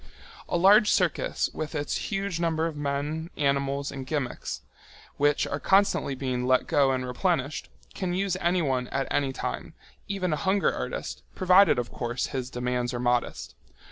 A large circus with its huge number of men, animals, and gimmicks, which are constantly being let go and replenished, can use anyone at any time, even a hunger artist, provided, of course, his demands are modest.